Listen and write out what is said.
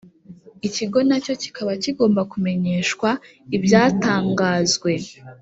Ikigo na cyo kikaba kigomba kumenyeshwa ibyatangazwe